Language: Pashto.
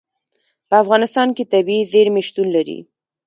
په افغانستان کې طبیعي زیرمې شتون لري.